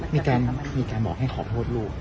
มีการบอกให้ขอโทษลูก